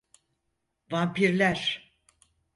Vampirler!